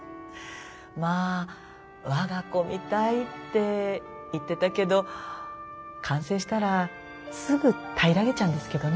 まあ我が子みたいって言ってたけど完成したらすぐ平らげちゃうんですけどね。